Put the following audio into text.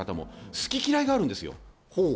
好き嫌いがあるんですよ。